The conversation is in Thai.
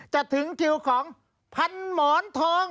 ถึงคิวของพันหมอนทอง